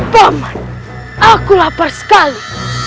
paman aku lapar sekali